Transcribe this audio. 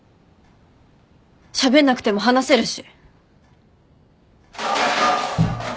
しゃべんなくても話せるし。